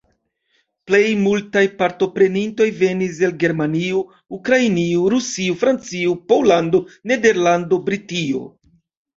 Plej multaj partoprenintoj venis el Germanio, Ukrainio, Rusio, Francio, Pollando, Nederlando, Britio.